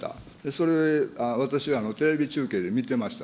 それ、私、テレビ中継で見てました。